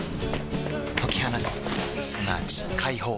解き放つすなわち解放